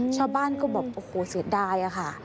ชาวบ้านก็แบบโอ้โหเสียดายอะค่ะ